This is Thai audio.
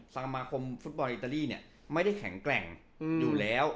สมาคมฟุตบอลอิตาลีเนี่ยไม่ได้แข็งแกร่งอยู่แล้ว